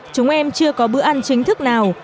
chúng em chưa có bữa ăn chính thức nào